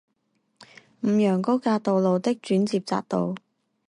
五楊高架道路的轉接匝道